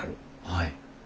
はい。